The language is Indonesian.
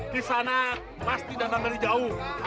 di sana pasti dandang dari jauh